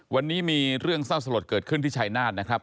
วันนี้มีเรื่องเศร้าสลดเกิดขึ้นที่ชายนาฏนะครับ